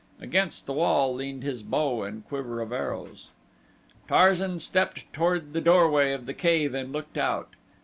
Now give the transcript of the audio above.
Against the wall leaned his bow and quiver of arrows. Tarzan stepped toward the doorway of the cave and looked out.